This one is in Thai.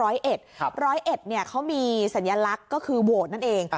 ๐๑๐๑เนี่ยใช้โค้กเขามีสัญลักษณ์วงศ์ก็คือโหวชนั่นเอง